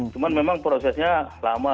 cuman memang prosesnya lama